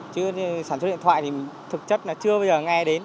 chứ sản xuất điện thoại thì thực chất là chưa bao giờ nghe đến